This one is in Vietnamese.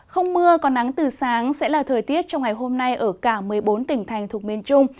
không mưa còn nắng từ sáng sẽ là thời tiết trong ngày hôm nay ở cả một mươi bốn tỉnh thành thuộc miền trung